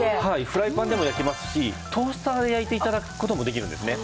フライパンでも焼けますしトースターで焼いて頂く事もできるんですね。